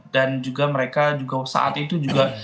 dan juga mereka saat itu juga